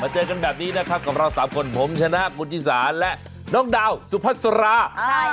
เจอกันแบบนี้นะครับกับเราสามคนผมชนะคุณชิสาและน้องดาวสุพัสรา